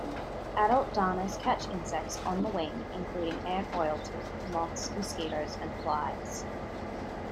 Adult darners catch insects on the wing, including ant royalty, moths, mosquitoes and flies.